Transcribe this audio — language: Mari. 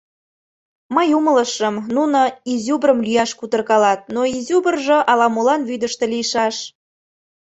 Мый умылышым: нуно изюбрым лӱяш кутыркалат, но изюбржо ала-молан вӱдыштӧ лийшаш.